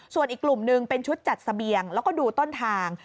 ส่วนอีกกลุ่มหนึ่งเป็นชุดจัดเสบียงแล้วก็ดูต้นทาง